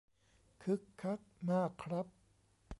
คึกคักมากครับ